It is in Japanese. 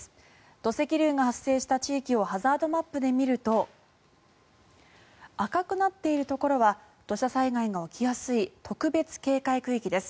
土石流が発生した地域をハザードマップで見ると赤くなっているところは土砂災害の起きやすい特別警戒区域です。